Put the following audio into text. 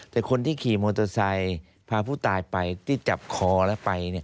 แต่คนที่ขี่มอเตอร์ไซค์พาผู้ตายไปที่จับคอแล้วไปเนี่ย